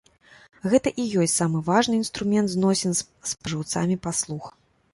Гэта і ёсць самы важны інструмент зносін з спажыўцамі паслуг.